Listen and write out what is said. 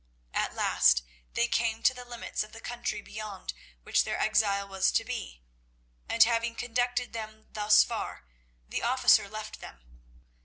At last they came to the limits of the country beyond which their exile was to be; and, having conducted them thus far, the officer left them.